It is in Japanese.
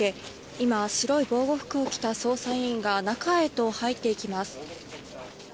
今、白い防護服を着た捜査員が中へと入っていきます。